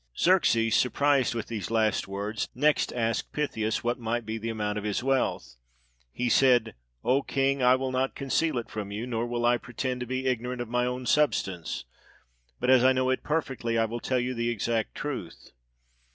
Xerxes, surprised with these last words, next asked Pythius what might be the amount of his wealth. He said, " O King, I will not conceal it from you, nor will I pretend to be ignorant of my own substance, but as I know it perfectly I will tell you the exact truth.